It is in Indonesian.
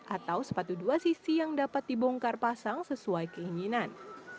atau sepatu dua sisi yang dapat dibongkar pasang sesuai keinginan